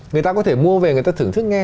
người ta có thể mua về người ta thưởng thức nghe